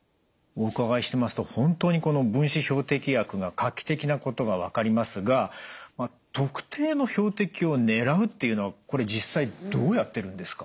お伺いしてますと本当にこの分子標的薬が画期的なことが分かりますが特定の標的を狙うっていうのはこれ実際どうやってるんですか？